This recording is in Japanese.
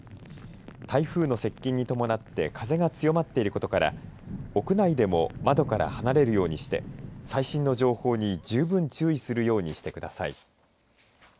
台風の接近に伴って風が強まっていることから屋内でも窓から離れるようにして最新の情報に十分注意するようにしてください。